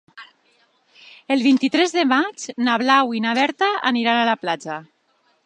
El vint-i-tres de maig na Blau i na Berta aniran a la platja.